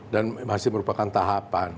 dan masih merupakan tahapan